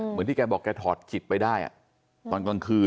เหมือนที่แกบอกแกถอดจิตไปได้ตอนกลางคืน